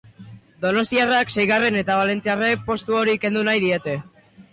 Donostiarrak seigarren dira eta valentziarrek postu hori kendu nahi diete.